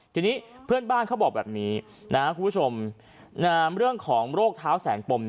ทีนี้เพื่อนบ้านเขาบอกแบบนี้คุณผู้ชมเรื่องของโรคเท้าแสนปม